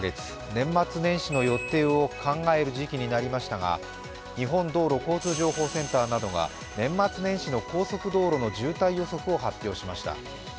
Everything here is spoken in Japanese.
年末年始の予定を考える時期になりましたが、日本道路交通情報センターなどが年末年始の高速道路の渋滞予測を発表しました。